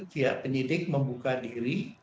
tiap penyidik membuka diri